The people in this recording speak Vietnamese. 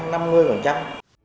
năm mươi phần trăm